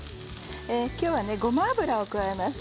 今日はごま油を加えます。